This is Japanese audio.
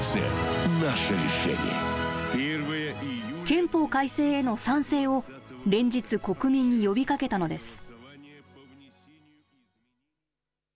憲法改正への賛成を連日、国民に呼びかけたのです。